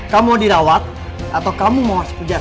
kamu mau dirawat atau kamu mau masuk penjara